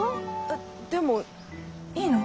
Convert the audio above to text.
えっでもいいの？